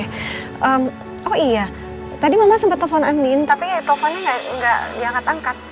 hmm oh iya tadi mama sempat telfon andien tapi ya telfonnya nggak diangkat angkat